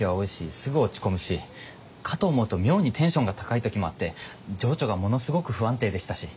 すぐ落ち込むしかと思うと妙にテンションが高い時もあって情緒がものすごく不安定でしたし。